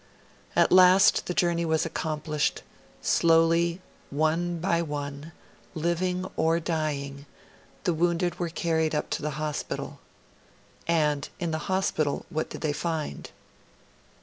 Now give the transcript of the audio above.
At last the journey was accomplished; slowly, one by one, living or dying, the wounded were carried up into the hospital. And in the hospital what did they find?